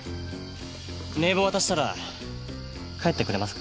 名簿を渡したら帰ってくれますか？